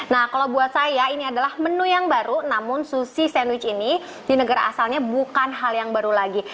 nah kalau buat saya ini adalah menu yang baru namun sushi sandwich ini di negara asalnya bukan hal yang baru lagi